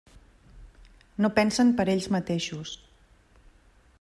No pensen per ells mateixos.